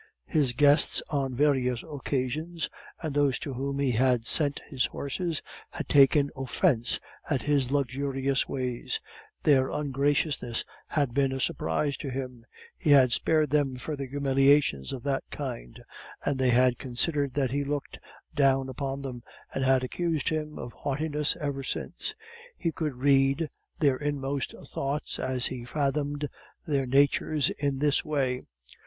His guests on various occasions, and those to whom he had lent his horses, had taken offence at his luxurious ways; their ungraciousness had been a surprise to him; he had spared them further humiliations of that kind, and they had considered that he looked down upon them, and had accused him of haughtiness ever since. He could read their inmost thoughts as he fathomed their natures in this way.